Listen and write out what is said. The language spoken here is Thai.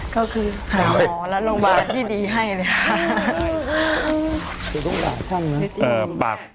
ก็คือหาหมอและโรงพยาบาลที่ดีให้เลยค่ะ